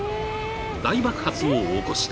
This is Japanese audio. ［大爆発を起こした］